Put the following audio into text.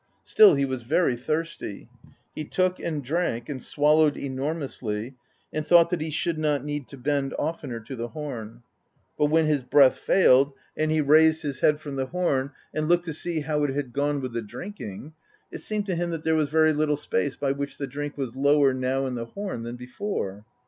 Still he was very thirsty; he took and drank, and swallowed enor mously, and thought that he should not need to bend oftener to the horn. But when his breath failed, and he raised his 64 PROSE EDDA head from the horn and looked to see how it had gone with the drinking, it seemed to him that there was very little space by which the drink was lower now in the horn than before.